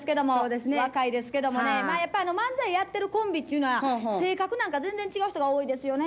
まあやっぱり漫才やってるコンビっちゅうのは性格なんか全然違う人が多いですよね。